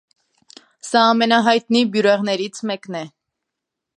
Սա ամենահայտնի բյուրեղներից մեկն է։